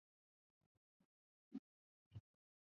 殿试登进士第二甲第三十三名。